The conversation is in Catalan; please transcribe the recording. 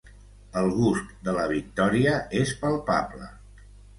El gust de la victòria és palpable.